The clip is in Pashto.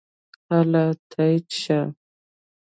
هله ټیټ شه !